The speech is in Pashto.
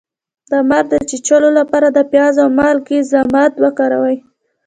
د مار د چیچلو لپاره د پیاز او مالګې ضماد وکاروئ